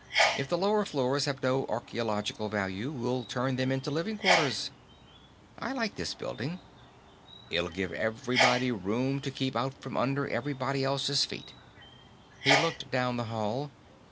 "If the lower floors have no archaeological value, we'll turn them into living quarters. I like this building: it'll give everybody room to keep out from under everybody else's feet." He looked down the hall.